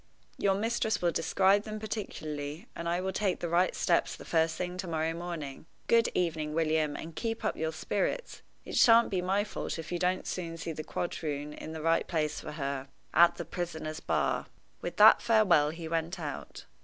"Your mistress will describe them particularly, and I will take the right steps the first thing to morrow morning. Good evening, William, and keep up your spirits. It shan't be my fault if you don't soon see the quadroon in the right place for her at the prisoner's bar." With that farewell he went out.